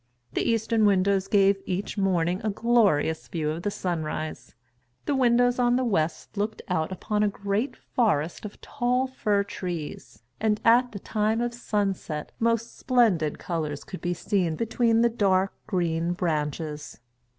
The eastern windows gave each morning a glorious view of the sunrise. The windows on the west looked out upon a great forest of tall fir trees, and at the time of sunset most splendid colours could be seen between the dark, green branches.